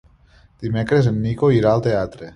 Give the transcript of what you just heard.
Dimecres en Nico irà al teatre.